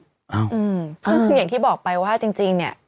ซึ่งคืออย่างที่บอกไปว่าจริงเนี่ย